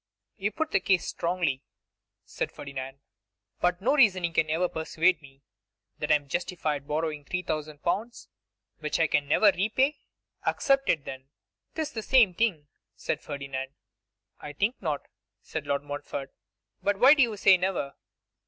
'You put the case strongly,' said Ferdinand; 'but no reasoning can ever persuade me that I am justified in borrowing 3,000L., which I can never repay.' 'Accept it, then.' ''Tis the same thing,' said Ferdinand. 'I think not,' said Lord Montfort; 'but why do you say never?